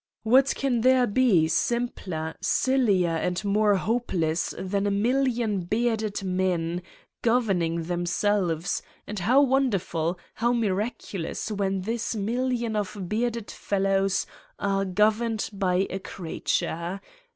What can there be simpler, sillier and more hopeles than a million bearded men, gov erning themselves, and how wonderful, how miraculous when this million of bearded fellows are governed by a creature